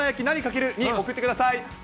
何かけるに送ってください。